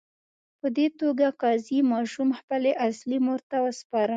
په دې توګه قاضي ماشوم خپلې اصلي مور ته وسپاره.